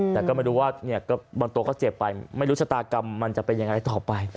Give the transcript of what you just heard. แต่ก็ไม่รู้ว่าบางตัวก็เจ็บไปไม่รู้ชะตากรรมมันจะเป็นยังไงต่อไป